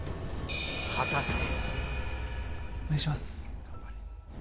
果たして。